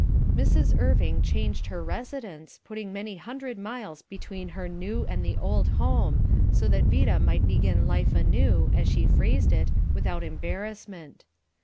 Mrs. Irving changed her residence, putting many hundred miles between her new and the old home, so that Vida might begin life anew, as she phrased it, without embarrassment.